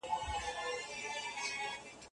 هغه استاد ته ليک وليږه.